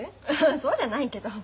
そうじゃないけど。